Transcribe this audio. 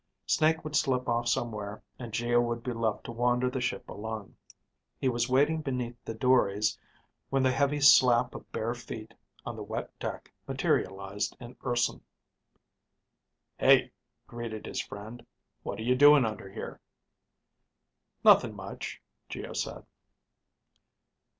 Snake would slip off somewhere and Geo would be left to wander the ship alone. He was walking beneath the dories when the heavy slap of bare feet on the wet deck materialized in Urson. "Hey," greeted his friend. "What are you doing under here?" "Nothing much," Geo said.